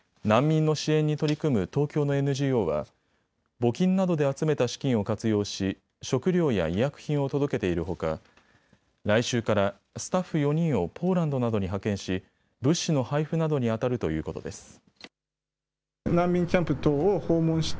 難民の支援に取り組む東京のＮＧＯは募金などで集めた資金を活用し食料や医薬品を届けているほか来週からスタッフ４人をポーランドなどに派遣し物資の配布などにあたるということです。